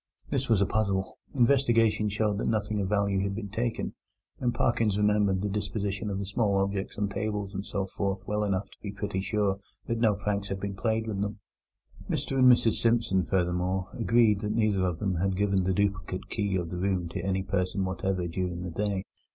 This was a puzzle. Investigation showed that nothing of value had been taken, and Parkins remembered the disposition of the small objects on tables and so forth well enough to be pretty sure that no pranks had been played with them. Mr and Mrs Simpson furthermore agreed that neither of them had given the duplicate key of the room to any person whatever during the day.